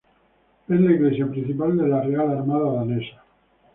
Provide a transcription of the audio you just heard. Es la iglesia principal de la Real Armada Danesa.